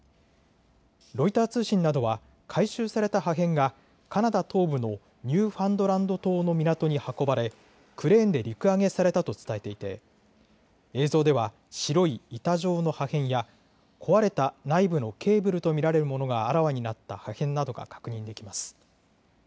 ロイター通信などは回収された破片がカナダ東部のニューファンドランド島の港に運ばれクレーンで陸揚げされたと伝えていて映像では白い板状の破片や壊れた内部のケーブルと見られるものがあらわになった破片などが確認できます。